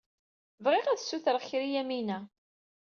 Bɣiɣ ad as-ssutreɣ kra i Yamina.